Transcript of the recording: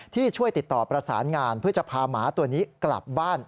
ที่ช่วยติดต่อประสานงานเพื่อจะพาหมาตัวนี้กลับบ้าน